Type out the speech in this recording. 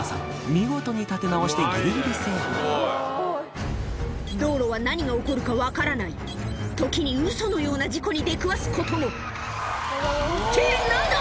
見事に立て直してギリギリセーフ道路は何が起こるか分からない時にウソのような事故に出くわすこともって何だ！